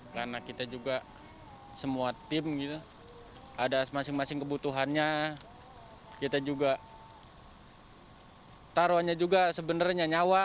karena kita juga semua tim gitu ada masing masing kebutuhannya kita juga taruhannya juga sebenarnya nyawa